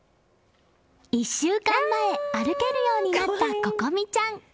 １週間前、歩けるようになった心美ちゃん。